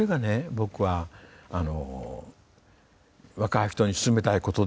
僕は若い人に勧めたいことで。